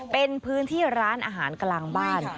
เป็นพื้นที่ร้านอาหารกลางบ้าน